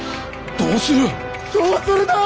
どうするだぁ！？